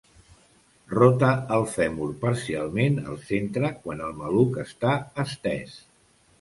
Rota el fèmur parcialment al centre quan el maluc està estès.